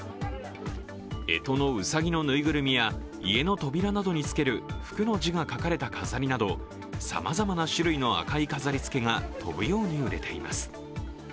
えとのうさぎのぬいぐるみや家の扉などにつける「福」の字が書かれた飾りなどさまざまな種類の赤い飾りつけが飛ぶように売れています。